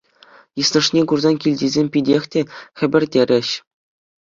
Йыснӑшне курсан килтисем питех те хӗпӗртерӗҫ.